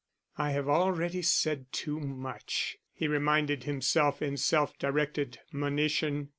"I have already said too much," he reminded himself in self directed monition.